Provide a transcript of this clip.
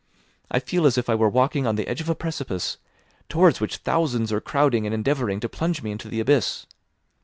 I feel as if I were walking on the edge of a precipice, towards which thousands are crowding and endeavouring to plunge me into the abyss.